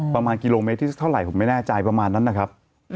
ประมาณกิโลเมตรที่เท่าไหร่ผมไม่แน่ใจประมาณนั้นนะครับ